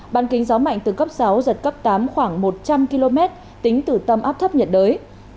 bàn kính gió mạnh từ cấp sáu giật cấp tám khoảng một trăm linh km tính từ tâm áp thấp nhiệt đới